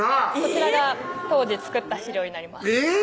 こちらが当時作った資料になりますえぇ！